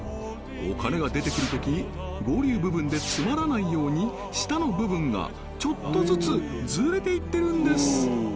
お金が出てくるとき合流部分で詰まらないように下の部分がちょっとずつずれていってるんです